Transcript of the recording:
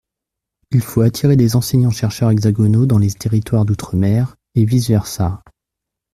Il faut attirer des enseignants-chercheurs hexagonaux dans les territoires d’outre-mer, et vice versa.